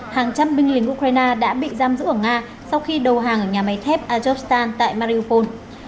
hàng trăm binh lính ukraine đã bị giam giữ ở nga sau khi đầu hàng ở nhà máy thép azer tại mariophone